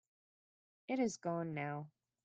It has gone now.